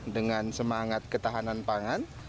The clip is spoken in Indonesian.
dengan semangat ketahanan pangan